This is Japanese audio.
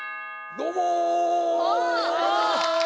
どうも！